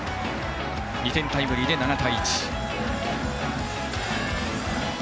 ２点タイムリーで７対１。